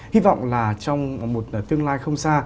hy vọng là trong một tương lai không xa